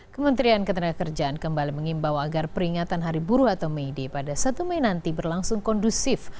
kementerian ketenagakerjaan kembali mengimbau agar peringatan hari buruh atau may day pada satu mei nanti berlangsung kondusif